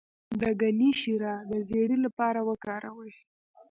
د ګني شیره د زیړي لپاره وکاروئ